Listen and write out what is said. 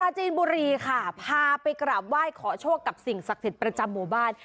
จีนบุรีค่ะพาไปกราบไหว้ขอโชคกับสิ่งศักดิ์สิทธิ์ประจำหมู่บ้าน